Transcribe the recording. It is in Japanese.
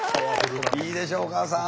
いいでしょおかあさん。